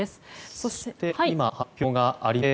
そして、今発表がありました。